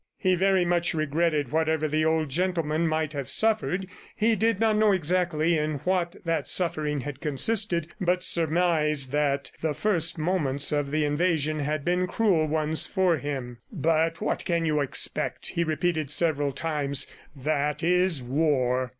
He very much regretted whatever the old gentleman might have suffered. ... He did not know exactly in what that suffering had consisted, but surmised that the first moments of the invasion had been cruel ones for him. "But what else can you expect?" he repeated several times. "That is war."